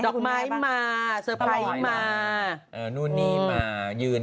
พี่ก็ปฎมาติกทำอะไรให้คุณแม่บ้าง